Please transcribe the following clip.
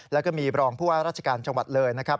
แล้วก็มีรองผู้ว่าราชการจังหวัดเลยนะครับ